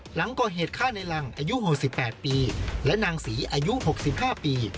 หลังก็เหตุฆ่าในรังอายุหกสิบแปดปีและนางศรีอายุหกสิบห้าปี